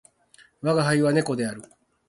吾輩は、子猫である。